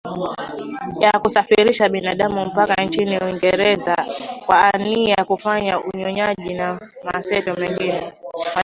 ya kusafirisha binadamu mpaka nchini uingereza kwa nia ya kufanya unyonyaji na mateso mengine